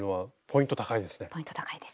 ポイント高いですね。